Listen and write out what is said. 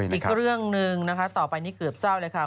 อีกเรื่องหนึ่งนะคะต่อไปนี่เกือบเศร้าเลยค่ะ